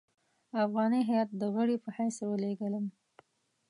افغاني هیات د غړي په حیث ولېږلم.